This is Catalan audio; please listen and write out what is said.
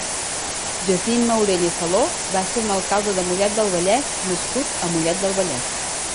Jacint Maurell i Saló va ser un alcalde de Mollet del Vallès nascut a Mollet del Vallès.